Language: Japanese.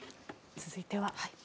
続いては。